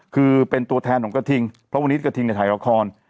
คือเป็นตัวแทนของกระทิงเพราะวันนี้กระทิงเนี่ยถ่ายละคร